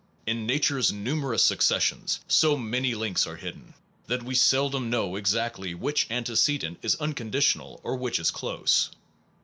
In scepticism nature s numerous successions so many links are hidden, that we seldom know exactly which antecedent is unconditional or which is close.